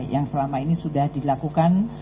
yang selama ini sudah dilakukan